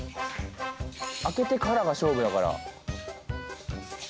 開けてからが勝負だから。